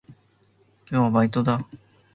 今日はバイトだ。